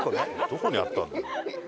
どこにあったんだよ。